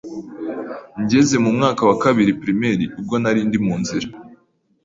ngeze mu mwaka wa kabiri primaire ubwo nari ndi mu nzira